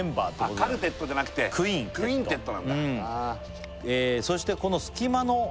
カルテットじゃなくてクインテットクインテットなんだああ